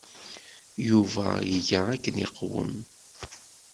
Yuba iga akken yeqwem.